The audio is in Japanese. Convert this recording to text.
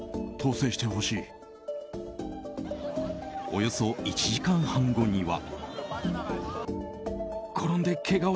およそ１時間半後には。